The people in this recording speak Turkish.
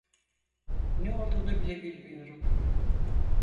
Ne olduğunu bile bilmiyorum.